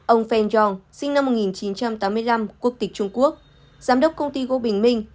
ông feng yong sinh năm một nghìn chín trăm tám mươi năm quốc tịch trung quốc giám đốc công ty gỗ bình minh